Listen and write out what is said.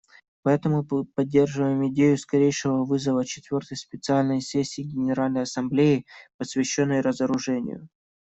Поэтому мы поддерживаем идею скорейшего созыва четвертой специальной сессии Генеральной Ассамблеи, посвященной разоружению.